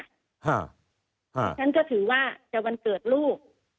ฉันก็ถือว่าจะวันเกิดลูก